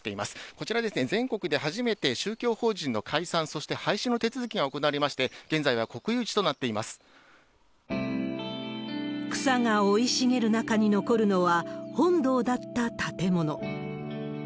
ここは全国で初めて宗教法人の解散、そして廃止の手続きが行われまして、草が生い茂る中に残るのは、本堂だった建物。